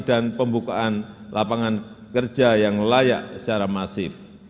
dan pembukaan lapangan kerja yang layak secara masif